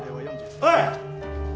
はい。